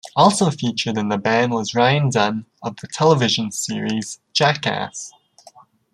Also featured in the band was Ryan Dunn of the television series Jackass.